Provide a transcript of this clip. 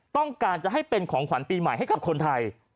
ต้องการจะให้เป็นของขวัญปีใหม่ให้กับคนไทย